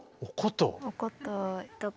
お琴とか。